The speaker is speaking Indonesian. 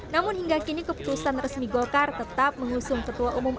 namun hingga kini keputusan resmi golkar tetap mengusung ketua umum p tiga